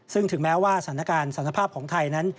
ซึ่งถึงแม้ว่าสถานการณ์สันภาพของไทยนั้น